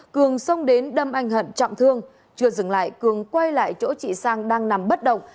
cường xông đến đâm anh hận trọng thương chưa dừng lại cường quay lại chỗ chị sang đang nằm bất động